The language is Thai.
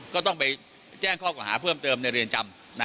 ก็ต้องไปแจ้งข้อกว่าหาเพิ่มเติมในเรือนจำ